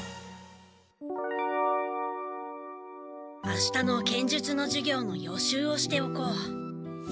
明日の剣術の授業の予習をしておこう。